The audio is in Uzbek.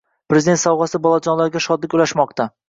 “Prezident sovg‘asi” bolajonlarga shodlik ulashmoqda